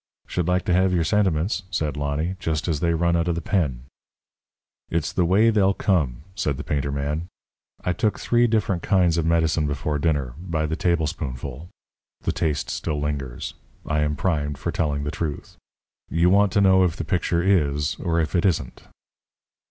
"Should like to have your sentiments," said Lonny, "just as they run out of the pen." "It's the way they'll come," said the painter man. "I took three different kinds of medicine before dinner by the tablespoonful. The taste still lingers. I am primed for telling the truth. You want to know if the picture is, or if it isn't?"